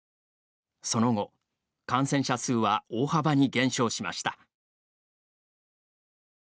その後、感染者数は大幅に減少しました。